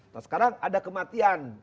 nah sekarang ada kematian